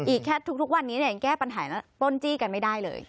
อีกแค่ทุกวันนี้เนี่ยยังแก้ปัญหาต้นจี้กันไม่ได้เลย